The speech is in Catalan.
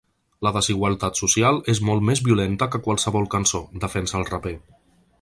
La desigualtat social és molt més violenta que qualsevol cançó, defensa el raper.